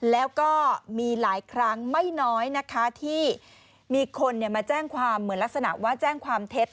แล้วก็มีหลายครั้งไม่น้อยนะคะที่มีคนมาแจ้งความเหมือนลักษณะว่าแจ้งความเท็จ